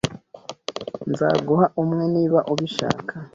Nzaguha umwe niba ubishaka.